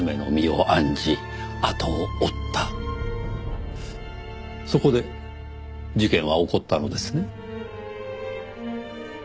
そこで事件は起こったのですね。